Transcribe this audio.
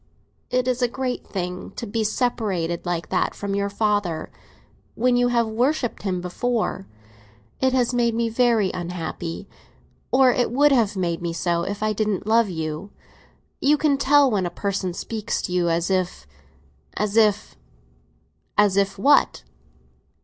"It is a great thing to be separated like that from your father, when you have worshipped him before. It has made me very unhappy; or it would have made me so if I didn't love you. You can tell when a person speaks to you as if—as if—" "As if what?"